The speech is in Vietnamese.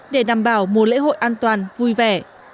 để đảm bảo mùa lễ hội an toàn vui vẻ